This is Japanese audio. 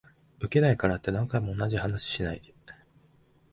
ウケないからって何回も同じ話しないで